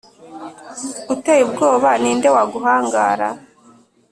uteye ubwoba! Ni nde waguhangara?